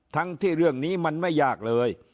ทั้งที่เรื่องนี้มันไม่ยากเลย